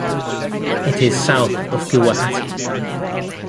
It is south of Guwahati.